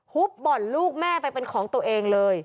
ุบบ่อนลูกแม่ไปเป็นของตัวเองเลย